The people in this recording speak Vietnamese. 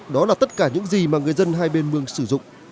đó là tất cả những gì mà người dân hai bên mong sử dụng